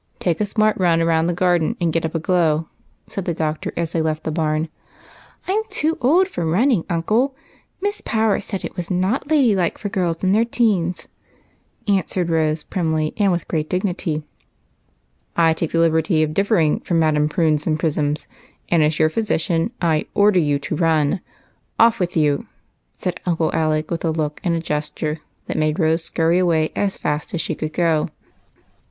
Take a smart run round the garden and get up a glow," said the doctor, as they left the barn. " I 'm too old for running, uncle ; Miss Power said it was not lady Uke for girls in their teens," answered Rose primly. " I take the liberty of differing from Madame Prunes and Prisms, and, as your physician, I oi^der you to run. Off with you !" said Uncle Alec, with a look and a gesture that made Rose scurry away as fast as she could go.